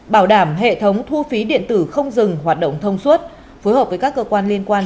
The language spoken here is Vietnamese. bảo đảm hệ thống thu phí điện tử không dừng hoạt động thông suốt phối hợp với các cơ quan liên quan